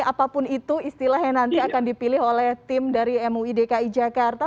apapun itu istilah yang nanti akan dipilih oleh tim dari mui dki jakarta